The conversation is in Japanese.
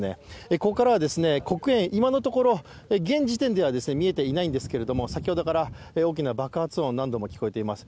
ここからは黒煙、今のところ現時点では見えていないんですけれども先ほどから大きな爆発音何度も聞こえています。